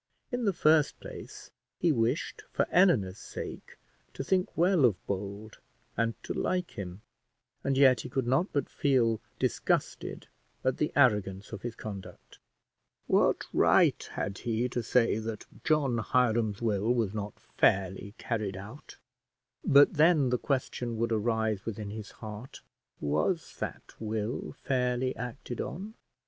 In the first place, he wished for Eleanor's sake to think well of Bold and to like him, and yet he could not but feel disgusted at the arrogance of his conduct. What right had he to say that John Hiram's will was not fairly carried out? But then the question would arise within his heart, Was that will fairly acted on?